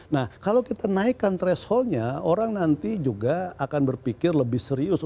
nah kalau kita naikkan thresholdnya orang nanti juga akan berpikir lebih serius